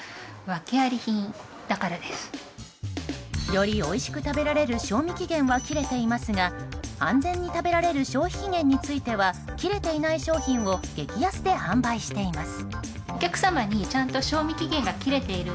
よりおいしく食べられる賞味期限は切れていますが安全に食べられる消費期限については切れていない商品を激安で販売しています。